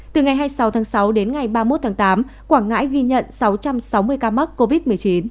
từ ngày hai mươi sáu tháng sáu đến ngày ba mươi một tháng tám quảng ngãi ghi nhận sáu trăm sáu mươi ca mắc covid một mươi chín